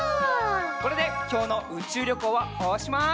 これできょうのうちゅうりょこうはおしまい！